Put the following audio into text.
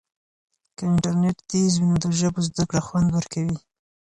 که انټرنیټ تېز وي نو د ژبو زده کړه خوند ورکوي.